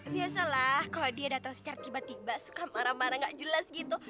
biasalah kalau dia datang secara tiba tiba suka marah marah gak jelas gitu